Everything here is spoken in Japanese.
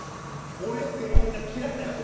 俺生理的に嫌いな人？